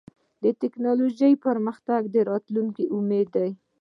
د ټکنالوجۍ پرمختګ د راتلونکي امید دی.